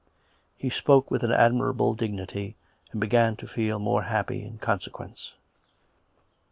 He spoke with an admirable dignity, and began to feel more happy in consequence.